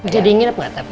jadi nginep gak tapi